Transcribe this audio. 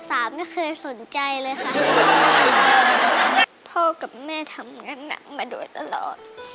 ไม่เคยสนใจเลยค่ะพ่อกับแม่ทำงานหนักมาโดยตลอด